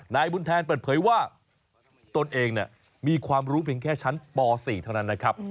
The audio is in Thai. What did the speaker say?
นายบุญแทนเปิดเผยว่าตนเองมีความรู้เพียงแค่ชั้นป๔เท่านั้นนะครับ